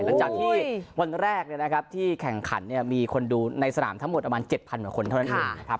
หลังจากที่วันแรกที่แข่งขันมีคนดูในสนามทั้งหมด๗๐๐๐คนเท่านั้น